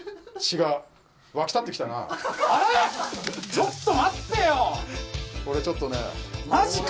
ちょっと待ってよ！